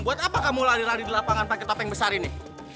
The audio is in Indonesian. buat apa kamu lari lari di lapangan pakai topeng besar ini